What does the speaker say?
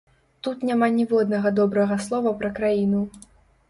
Тут няма ніводнага добрага слова пра краіну.